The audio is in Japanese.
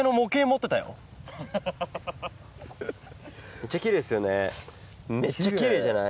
めっちゃ奇麗ですよね。